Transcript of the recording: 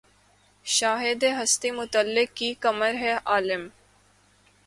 شاہدِ ہستیِ مطلق کی کمر ہے‘ عالم